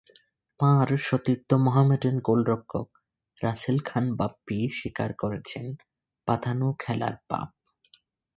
তাঁর সতীর্থ মোহামেডান গোলরক্ষক রাসেল খান বাপ্পি স্বীকার করেছেন পাতানো খেলার পাপ।